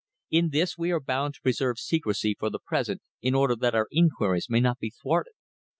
In this we are bound to preserve secrecy for the present in order that our inquiries may not be thwarted.